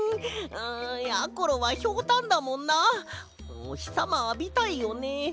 んやころはひょうたんだもんなおひさまあびたいよね。